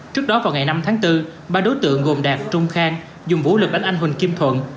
trước đó vào ngày năm tháng bốn ba đối tượng gồm đạt trung khang dùng vũ lực đánh anh huỳnh kim thuận